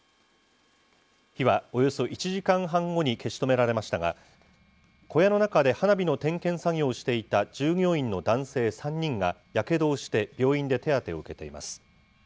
火はおよそ１時間半後に消し止められましたが、小屋の中で花火の点検作業をしていた従業員の男性３人が、やけどをして病院で手当てを受けています。